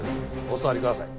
お座りください。